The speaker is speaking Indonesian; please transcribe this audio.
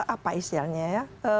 apa istilahnya ya